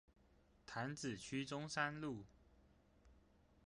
潭子區中山路